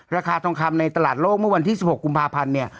ราคาทองคำในตลาดโลกเมื่อวันที่๑๖กุมภาพันธ์เนี่ย